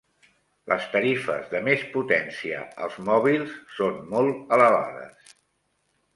Les tarifes de més potència als mòbils són molt elevades.